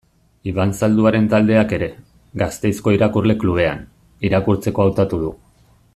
Iban Zalduaren taldeak ere, Gasteizko Irakurle Klubean, irakurtzeko hautatu du.